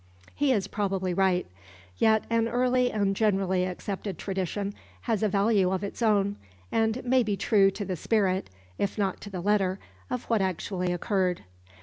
He is probably right; yet an early and generally accepted tradition has a value of its own, and may be true to the spirit, if not to the letter, of what actually occurred.